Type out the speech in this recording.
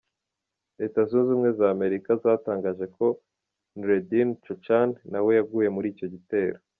Leta Zunze Ubumwe za Amerika, zatangaje ko Noureddine Chouchane nawe yaguye muri icyo gitero.